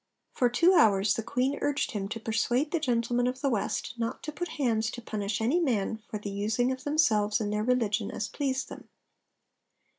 'For two hours' the Queen urged him to persuade the gentlemen of the West 'not to put hands to punish any man for the using of themselves in their religion as pleased them.'